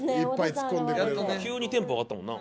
急にテンポ上がったもんな。